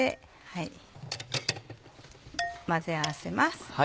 混ぜ合わせます。